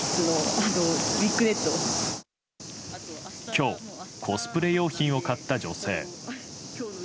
今日コスプレ用品を買った女性。